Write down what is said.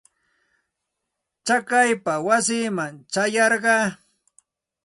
Chakaypa wasiiman ćhayarqaa.